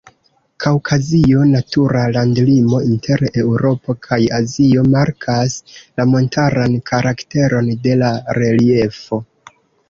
Kaŭkazio, natura landlimo inter Eŭropo kaj Azio, markas la montaran karakteron de la reliefo.